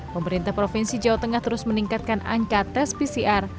pemerintah provinsi jawa tengah terus meningkatkan angka tes pcr